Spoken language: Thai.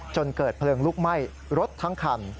จนเกิดเพลิงลุกไหม้รถทั้งคัน